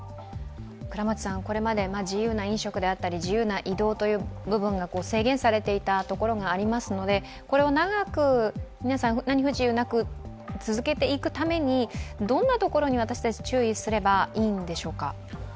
これまで自由な飲食であったり自由な移動という部分が制限されていたところがありますのでこれを長く皆さん何不自由なく続けていくためにどんなところに私たちは注意すればいいんでしょうか。